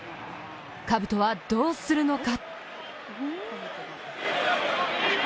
かぶとは、どうするのか。